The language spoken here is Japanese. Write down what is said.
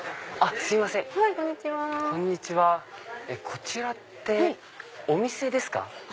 こちらってお店ですか？